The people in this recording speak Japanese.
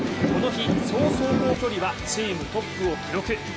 この日、総走行距離はチームトップを記録。